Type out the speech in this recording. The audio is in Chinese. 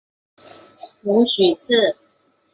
母许氏。